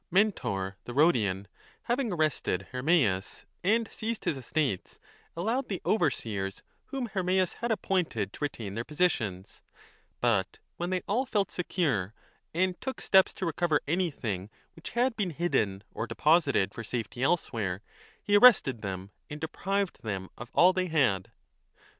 Mentor, the Rhodian, having arrested Hermeias and seized his estates, allowed the overseers whom Hermeias 35 had appointed to retain their positions. But when they all 1 Omitting ocai m avrov in 1. 4 with T and Schneider. BOOK II. 2 1351" felt secure and took steps to recover anything which had been hidden or deposited for safety elsewhere, he arrested them and deprived them of all they had.